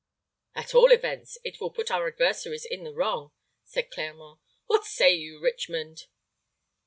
"At all events, it will put our adversaries in the wrong," said Clermont. "What say you, Richmond?"